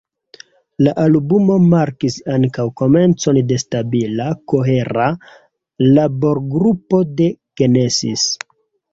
La albumo markis ankaŭ komencon de stabila, kohera laborgrupo de Genesis.